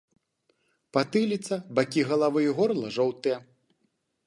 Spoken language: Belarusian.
Патыліца, бакі галавы і горла жоўтыя.